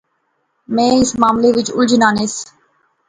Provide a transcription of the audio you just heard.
میں اس معاملے وچ الجھا ناں سیس